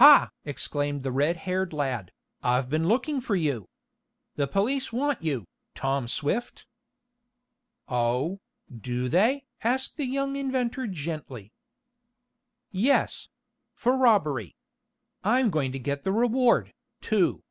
"Ha!" exclaimed the red haired lad, "I've been looking for you. The police want you, Tom Swift." "Oh, do they?" asked the young inventor gently. "Yes; for robbery. I'm going to get the reward, too.